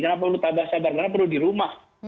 kenapa perlu tambah sabar karena perlu di rumah